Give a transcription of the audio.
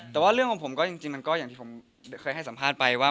แต่ว่าเรื่องของผมก็จริงมันก็อย่างที่ผมเคยให้สัมภาษณ์ไปว่า